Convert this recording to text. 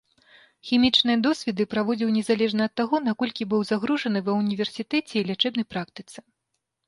Хімічныя досведы праводзіў незалежна ад таго, наколькі быў загружаны ва ўніверсітэце і лячэбнай практыцы.